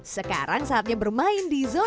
sekarang saatnya bermain di zona